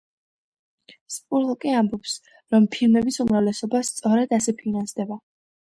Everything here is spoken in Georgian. სპურლოკი ამბობს, რომ ფილმების უმრავლესობა სწორედ ასე ფინანსდება.